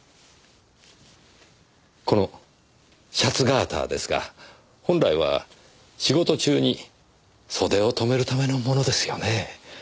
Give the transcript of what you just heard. このシャツガーターですが本来は仕事中に袖を留めるためのものですよね？